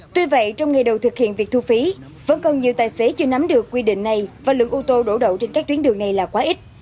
tuy vậy trong ngày đầu thực hiện việc thu phí vẫn còn nhiều tài xế chưa nắm được quy định này và lượng ô tô đổ đậu trên các tuyến đường này là quá ít